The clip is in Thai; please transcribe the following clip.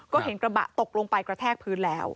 ก็เห็นกระบะตกลงไปกระแทกพื้นแล้ว